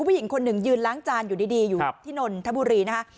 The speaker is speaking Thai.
ผู้หญิงคนหนึ่งยืนล้างจานอยู่ดีอยู่ที่นนทบุรีนะคะ